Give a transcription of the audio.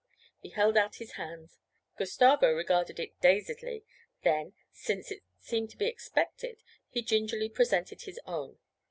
He held out his hand. Gustavo regarded it dazedly; then, since it seemed to be expected, he gingerly presented his own.